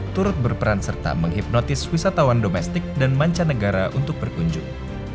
turut berperan serta menghipnotis wisatawan domestik dan mancanegara untuk berkunjung